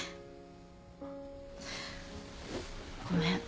ごめん。